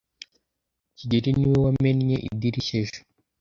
kigeli ni we wamennye idirishya ejo.